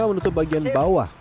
saya menutup bagian bawah